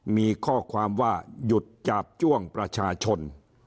มีข้อความว่าหยุดจาบจ้วงประชาชน